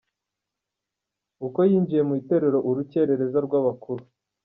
Uko yinjiye mu itorero Urukerereza rw’abakuru.